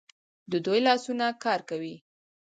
د دوی لاسونه کار کوي.